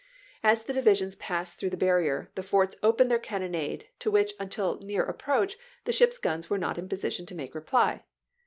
As the divisions passed through the barrier, the forts opened their cannonade, to which, until near approach, the ships' guns were not in position to make reply.